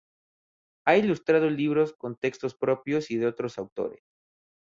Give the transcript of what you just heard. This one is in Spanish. Ha ilustrado libros con textos propios y de otros autores.